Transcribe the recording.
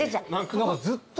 何かずっと一線。